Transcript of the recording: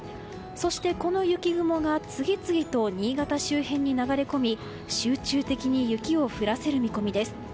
そして、この雪雲が次々と新潟周辺に流れ込み集中的に雪を降らせる見込みです。